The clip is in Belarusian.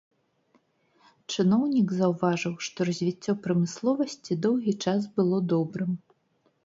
Чыноўнік заўважыў, што развіццё прамысловасці доўгі час было добрым.